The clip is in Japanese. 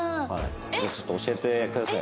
ちょっと教えてください。